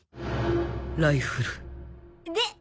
ライフルで？